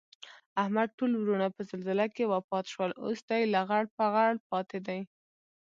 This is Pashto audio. احمد ټول ورڼه په زلزله کې وفات شول. اوس دی لغړ پغړ پاتې دی